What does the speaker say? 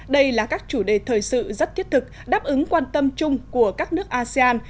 đây là các chủ đề thời sự rất thiết thực đáp ứng quan tâm chung của các nước asean